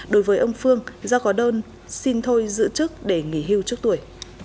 đối với ông phương do có đơn xin thôi giữ chức để nghỉ hưu trước tuổi